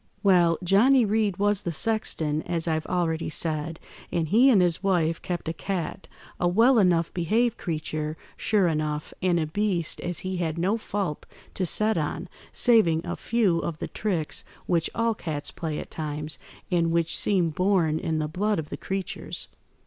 "Well, Johnny Reed was the sexton, as I've already said, and he and his wife kept a cat, a well enough behaved creature, sure enough, and a beast as he had no fault to set on, saving a few of the tricks which all cats play at times, and which seem born in the blood of the creatures.